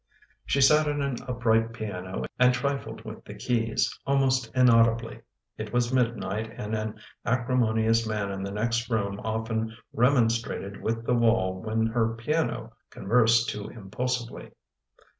She sat at an upright piano and trifled with the keys, almost inaudibly. It was midnight and an acrimonious man in the next room often remonstrated with the wall when her piano conversed too impulsively.